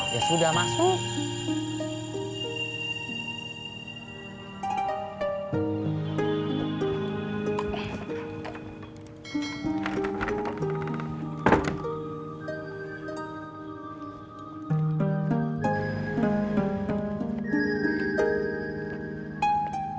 ya sudah masuk